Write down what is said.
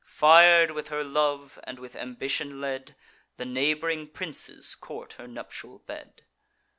Fir'd with her love, and with ambition led, The neighb'ring princes court her nuptial bed.